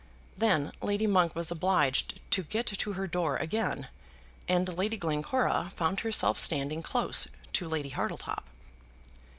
Then Lady Monk was obliged to get to her door again and Lady Glencora found herself standing close to Lady Hartletop.